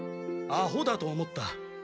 アホだと思った。